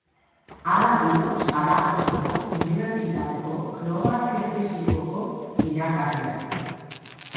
Hala dio Zaragozako Unibertsitateko geografia fisikoko irakasleak.